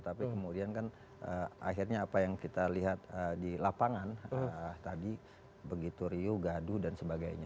tapi kemudian kan akhirnya apa yang kita lihat di lapangan tadi begitu riuh gaduh dan sebagainya